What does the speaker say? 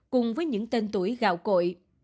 cùng với những tên tuổi gạo cội